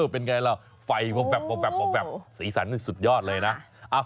เป็นไงล่ะไฟแบบสีสันสุดยอดเลยนะ